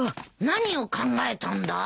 何を考えたんだ？